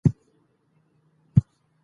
هره جمله لنډه خو مانا لرونکې ده.